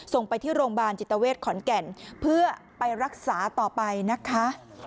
ส่งไปที่โรงพยาบาลจิตเวทขอนแก่นเพื่อไปรักษาต่อไปนะคะ